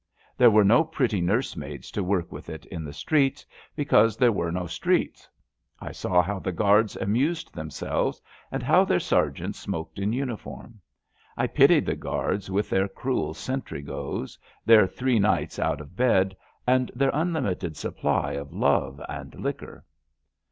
There were no pretty nursemaids to work with it in the streets, because there were no streets. I saw how the Guards amused them selves and how their sergeants smoked in uniform. I pitied the Guards with their cruel sentry goes, their three nights out of bed, and their unlimited supply of love and liquor.